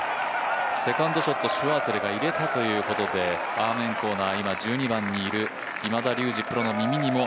セカンドショットをシュワーツェルが入れたということでアーメンコーナー、今１２番にいる今田竜二